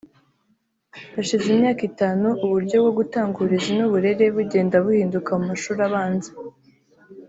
Hashize imyaka itanu uburyo bwo gutanga uburezi n’uburere bugenda buhinduka mu mashuri abanza